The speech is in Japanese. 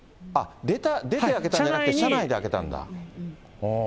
出て開けたんじゃなくて、車内で開けたんだ。